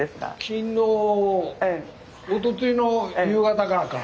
昨日おとといの夕方からか。